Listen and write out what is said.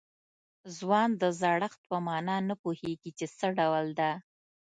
ځوان د زړښت په معنا نه پوهېږي چې څه ډول ده.